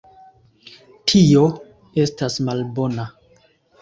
Tio estas malbona